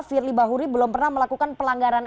firly bahuri belum pernah melakukan pelanggaran